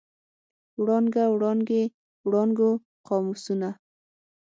وړانګه، وړانګې، وړانګو، قاموسونه.